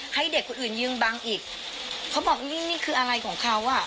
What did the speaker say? ให้เด็กคนอื่นยืนบังอีกเขาบอกนี่นี่คืออะไรของเขาอ่ะ